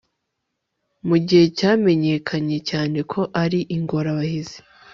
mugihe cyamenyekanye cyane ko ari ingorabahizi